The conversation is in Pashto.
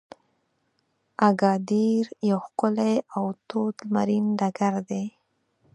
اګادیر یو ښکلی او تود لمرین ډګر دی.